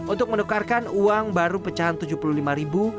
untuk menukarkan uang baru pecahan rp tujuh puluh lima ribu